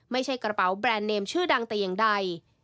ไม่ใช่กระเป๋าแบรนด์เนมชื่อดังแต่อย่างใด